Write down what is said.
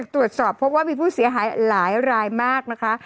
ตรวจสอบพบว่ามีผู้เสียหายหลายรายมากนะคะ